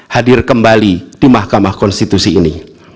hadir kembali di mahkamah konstitusi ini